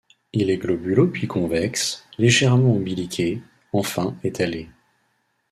Il est globuleux puis convexe, légèrement ombiliqué, enfin étalé.